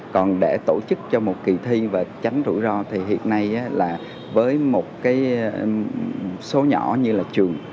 còn để tổ chức cho một kỳ thi và tránh rủi ro thì hiện nay là với một cái số nhỏ như là trường